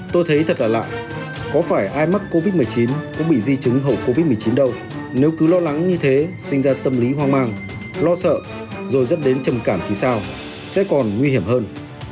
tôi thấy thật ở lại có phải ai mắc covid một mươi chín cũng bị di chứng hậu covid một mươi chín đâu nếu cứ lo lắng như thế sinh ra tâm lý hoang mang lo sợ rồi dẫn đến trầm cảm thì sao sẽ còn nguy hiểm hơn